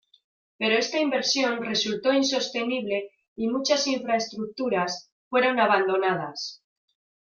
Pero esta inversión resultó insostenible y muchas infraestructuras fueron abandonadas.